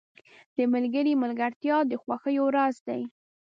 • د ملګري ملګرتیا د خوښیو راز دی.